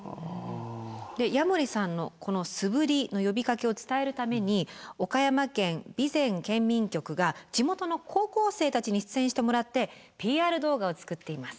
矢守さんのこの素振りの呼びかけを伝えるために岡山県備前県民局が地元の高校生たちに出演してもらってＰＲ動画を作っています。